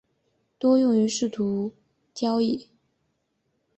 多用途事务协议。